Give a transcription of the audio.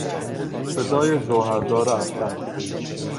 صدای جوهردار اقدس